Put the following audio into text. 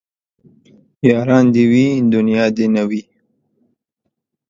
ياران دي وي دونيا دي نه وي